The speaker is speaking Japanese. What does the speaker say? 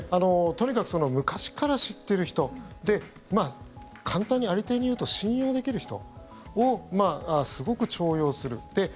とにかく昔から知ってる人簡単に、有り体に言うと信用できる人をすごく重用する。